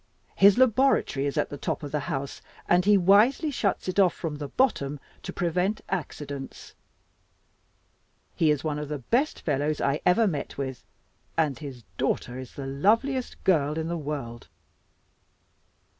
His laboratory is at the top of the house, and he wisely shuts it off from the bottom to prevent accidents. He is one of the best fellows I ever met with, and his daughter is the loveliest girl in the world.